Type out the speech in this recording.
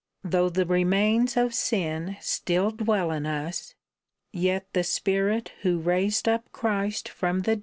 Though the remains of sin still dwell in us, yet the Spirit who raised up Christ from VOL.